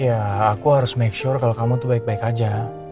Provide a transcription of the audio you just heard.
ya aku harus make sure kalau kamu tuh baik baik aja